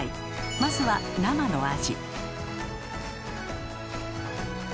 まずは生のアジ。